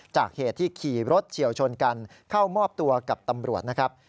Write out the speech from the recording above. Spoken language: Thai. เหตุที่ขี่รถเฉียวชนกันเข้ามอบตัวกับตำรวจนะครับ